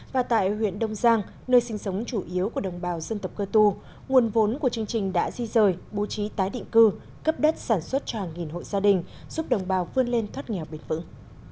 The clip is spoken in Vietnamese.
và tại huyện đông giang nơi sinh sống chủ yếu của đồng bào dân tộc cơ tu nguồn vốn của chương trình đã di rời bố trí tái định cư cấp đất sản xuất tràng nghìn hội gia đình giúp đồng bào vươn lên thoát nghèo bền vững